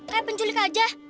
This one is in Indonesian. kayak penculik aja